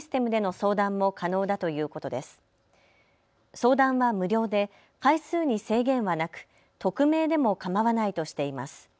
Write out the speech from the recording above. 相談は無料で回数に制限はなく匿名でも構わないとしています。